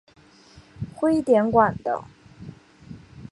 徽典馆的。